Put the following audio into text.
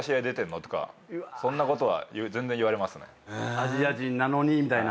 「アジア人なのに」みたいな。